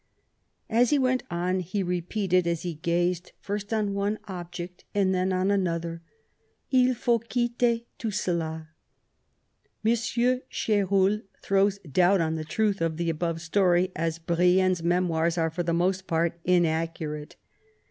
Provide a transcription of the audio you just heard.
As he went on he repeated, as he gazed first on one object and then on another: "II faut quitter tout cela." M. Ch^ruel throws doubt on the truth of the above story, as Brienne's memoirs are for the most part inaccurate.